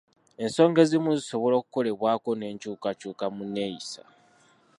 Ensonga ezimu zisobola okukolebwako n'enkyukakyuka mu nneeyisa.